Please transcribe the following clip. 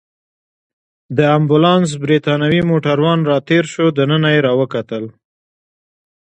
د امبولانس بریتانوی موټروان راتېر شو، دننه يې راوکتل.